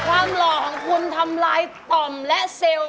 นี่ความหล่อของคุณทำร้ายต่อมและเซลล์